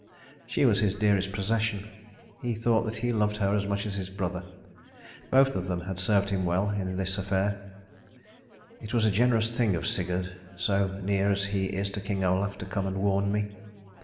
She was his dearest possession. He thought that he loved her as much as his brother. Both of them had served him well in this affair. "It was a generous thing of Sigurd, so near as he is to King Olaf, to come and warn me.